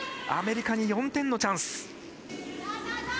アメリカに４点のチャンス。